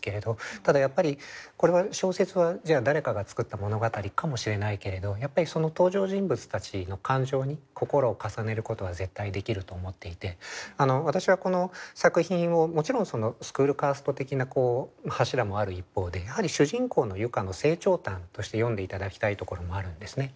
ただやっぱり小説はじゃあ誰かが作った物語かもしれないけれど登場人物たちの感情に心を重ねることは絶対できると思っていて私はこの作品をもちろんスクールカースト的な柱もある一方でやはり主人公の結佳の成長譚として読んで頂きたいところもあるんですね。